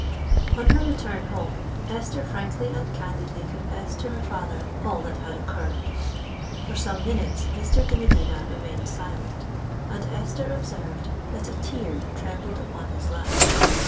On her return home, Esther frankly and candidly confessed to her father all that had occurred. For some minutes Mr. de Medina remained silent; and Esther observed that a tear trembled upon his lash.